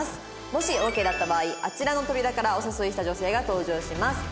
もしオーケーだった場合あちらの扉からお誘いした女性が登場します。